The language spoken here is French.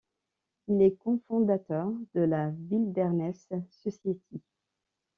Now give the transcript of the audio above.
Il est cofondateur de la Wilderness Society.